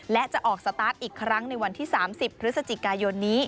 และจะออกสตาร์ทอีกครั้งในวันที่๓๐พฤศจิกายนนี้